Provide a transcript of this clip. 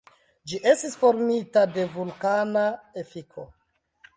Ĝi estis formita de vulkana efiko.